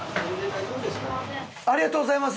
ありがとうございます。